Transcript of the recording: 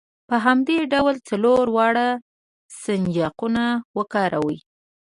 په همدې ډول څلور واړه سنجاقونه وکاروئ.